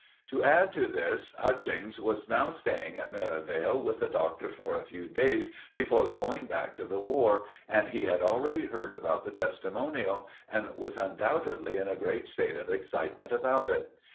To add to this, Hutchings was now staying at Merivale with the Doctor for a few days before going back to the War, and he had already heard about the testimonial, and was undoubtedly in a great state of excitement about it.